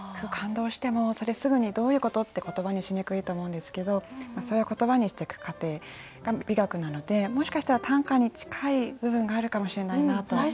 感動してもそれすぐにどういうことって言葉にしにくいと思うんですけどそれを言葉にしていく過程が美学なのでもしかしたら短歌に近い部分があるかもしれないなと。